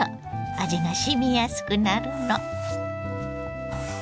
味がしみやすくなるの。